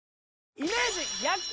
イメージ逆転